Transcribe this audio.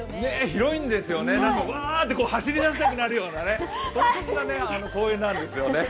ヒロインですよね、うわーッて走り出したくなるようなそんな公園なんですよね。